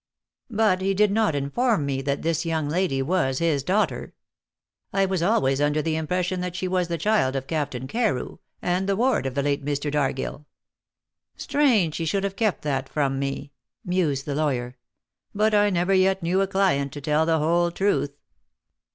But he did not inform me that this young lady was his daughter. I was always under the impression that she was the child of Captain Carew, and the ward of the late Mr. Dargill. Strange he should have kept that from me," mused the lawyer; "but I never yet knew a client to tell the whole truth."